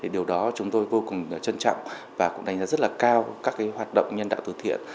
điều đó chúng tôi vô cùng trân trọng và cũng đánh giá rất là cao các hoạt động nhân đạo từ thiện